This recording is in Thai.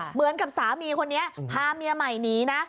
เหมือนกับสามีคนนี้พาเมียใหม่หนีนะ